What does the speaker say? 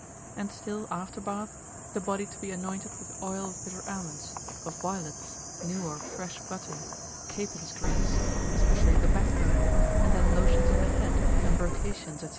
And still after bath, the body to be anointed with oil of bitter almonds, of violets, new or fresh butter, capon's grease, especially the backbone, and then lotions of the head, embrocations, &c.